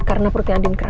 karena perutnya andin kerap